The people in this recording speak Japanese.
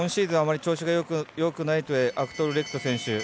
今シーズンあまり調子がよくないとアクトルレクト選手。